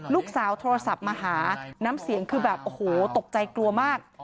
โทรศัพท์มาหาน้ำเสียงคือแบบโอ้โหตกใจกลัวมาก